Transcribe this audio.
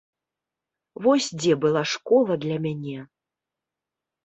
Вось дзе была школа для мяне!